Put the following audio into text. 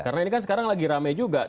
karena ini kan sekarang lagi rame juga